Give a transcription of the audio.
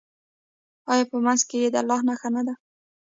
آیا په منځ کې یې د الله نښه نه ده؟